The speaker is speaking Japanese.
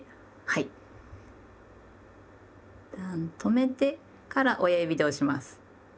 いったん止めてから親指で押します。